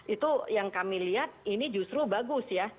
itu yang kami lihat ini justru bagus ya